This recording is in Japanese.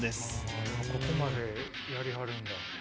ここまでやりはるんだ。